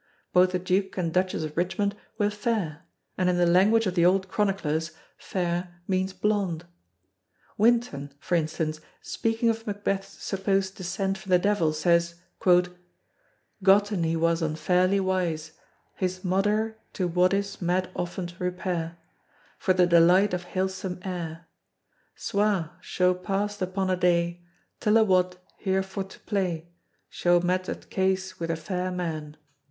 Both the Duke and Duchess of Richmond were "fayre," and in the language of the old chroniclers "fayre" means blonde. Wintown for instance speaking of Macbeth's supposed descent from the Devil says: "Gottyne he was on ferly wys "Hys Modyr to woddis mad oft repayre "For the delyte of halesum ayre. "Swa, scho past a pon a day "Tyl a Wod, hyr for to play: "Scho met at cas with a fayr man."